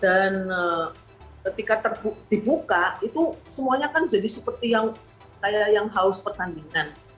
dan ketika dibuka itu semuanya kan jadi seperti yang haus pertandingan